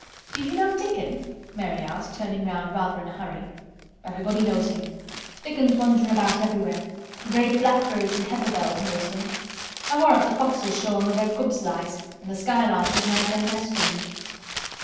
"Do you know Dickon?" Mary asked, turning round rather in a hurry. "Everybody knows him. Dickon's wanderin' about everywhere. Th' very blackberries an' heather bells knows him. I warrant th' foxes shows him where their cubs lies an' th' skylarks doesn't hide their nests from him."